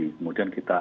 kemudian kita cek